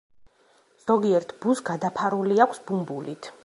ზოგიერთ ბუს გადაფარული აქვს ბუმბულით.